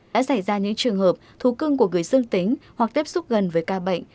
đã xảy ra những trường hợp thú cưng của người dương tính hoặc tiếp xúc gần với ca bệnh